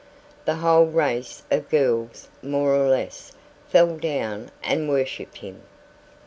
The whole race of girls, more or less, fell down and worshipped him.